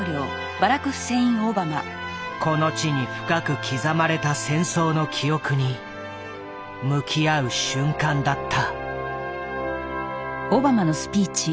この地に深く刻まれた戦争の記憶に向き合う瞬間だった。